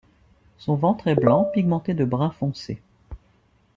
Son ventre est blanc pigmenté de brun foncé.